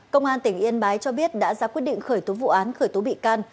công an tỉnh yên bái cho biết đã ra quyết định khởi tố vụ án khởi tố bị can